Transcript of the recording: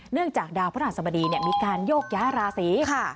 เนื่องจากดาวพระราชสมดีมีการโยกย้าราศี